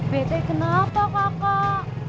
bete kenapa kakak